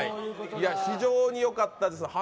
非常によかったです鼻。